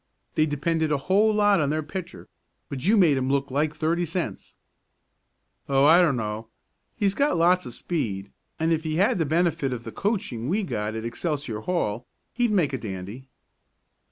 They depended a whole lot on their pitcher, but you made him look like thirty cents." "Oh, I don't know. He's got lots of speed, and if he had the benefit of the coaching we got at Excelsior Hall he'd make a dandy."